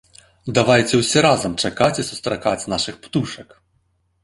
Давайце ўсе разам чакаць і сустракаць нашых птушак!